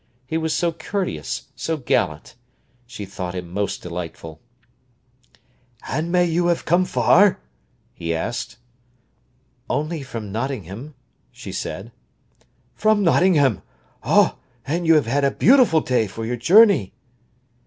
He was so courteous, so gallant! She thought him most delightful. "And may you have come far?" he asked. "Only from Nottingham," she said. "From Nottingham! Then you have had a beautiful day for your journey."